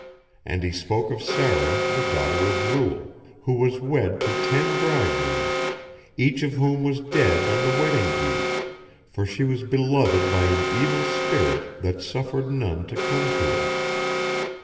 And he spoke of Sara the daughter of Ruel, who was wed to ten bridegrooms, each of whom was dead on the wedding eve; for she was beloved by an evil spirit that suffered none to come to her.